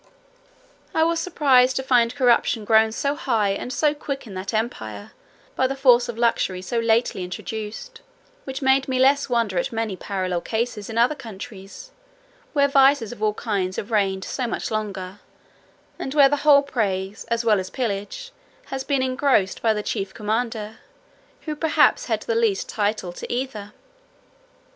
I was surprised to find corruption grown so high and so quick in that empire, by the force of luxury so lately introduced; which made me less wonder at many parallel cases in other countries, where vices of all kinds have reigned so much longer, and where the whole praise, as well as pillage, has been engrossed by the chief commander, who perhaps had the least title to either.